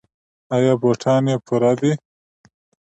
ایا بوټان یې پوره دي؟